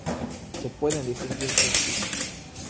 Se pueden distinguir tres tipos.